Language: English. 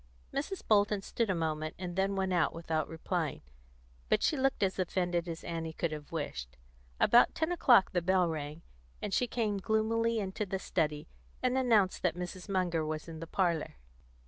Mrs. Bolton stood a moment, and then went out without replying; but she looked as offended as Annie could have wished. About ten o'clock the bell rang, and she came gloomily into the study, and announced that Mrs. Munger was in the parlour.